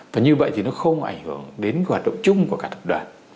và như vậy thì nó không ảnh hưởng đến hoạt động chung của cả tập đoàn